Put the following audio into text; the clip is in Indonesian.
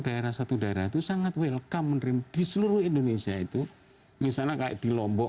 daerah satu daerah itu sangat welcome menerima di seluruh indonesia itu misalnya kayak di lombok